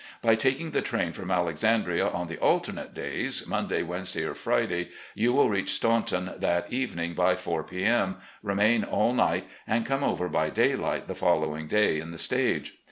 By taking the train from Alexandria on the alternate days, Monday, Wednesday, or Friday, you will reach Staunton that evening by four p. M., remain all night, and come over by daylight the following day in the stage.